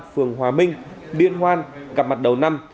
phường hòa minh biên hoan gặp mặt đầu năm